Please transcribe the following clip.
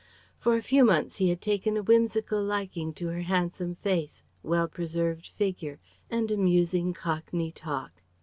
For a few months he had taken a whimsical liking to her handsome face, well preserved figure, and amusing cockney talk.